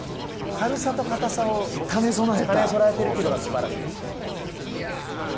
軽さと堅さを兼ね備えているというのが素晴らしいんです。